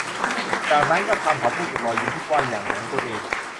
จากนั้นก็ทำ เขาพูดกับรอยยิ้มที่กว้างอย่างหลงตัวเอง